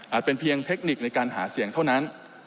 เป็นเพียงเทคนิคในการหาเสียงเท่านั้น